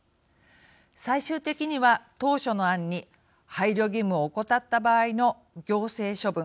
最終的には、当初の案に配慮義務を怠った場合の行政処分。